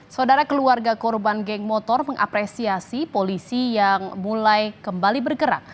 saudara keluarga korban geng motor mengapresiasi polisi yang mulai kembali bergerak